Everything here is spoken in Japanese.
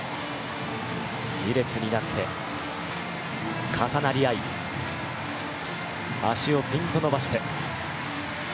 ２列になって重なり合い脚をピンと伸ばして。